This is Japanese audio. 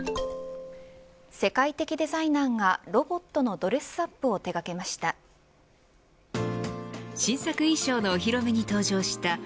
世界的デザイナーがロボットのドレスアップを手がけました。